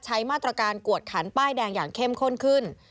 ใช้มาตรการกวดขันป้ายแดงอย่างเข้มข้นขึ้น